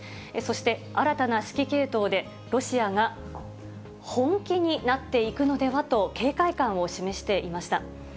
そして新たな指揮系統で、ロシアが本気になっていくのではと、警戒感を示していました。